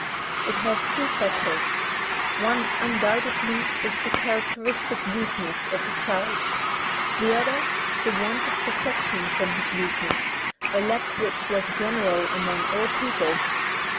It has two factors : One undoubtedly is the character istic weakness of the child; the other, the want of protection for his weakness, a lack which was general among all peoples.